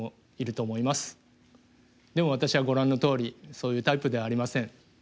でも私はご覧のとおりそういうタイプではありません。